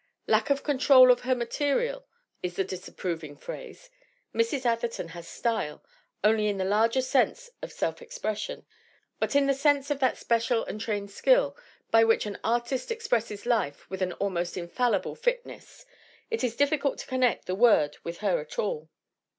"Lack of control of her material" is the disapproving phrase. Mrs. Atherton has "style" only in the larger sense of self expression, "but in the sense of that special and trained skill by which an artist expresses life with an almost infallible fitness, it is difficult to connect the word with her at all."